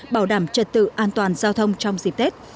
bảo đảm trật tự an toàn giao thông trong dịp tết